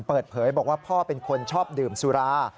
เปิดเผยบอกว่าพ่อเป็นคนชอบดื่มสุรา